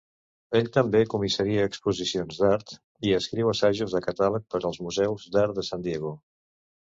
Ell també comissaria exposicions d'art i escriu assajos de catàleg per als museus d'art de San Diego.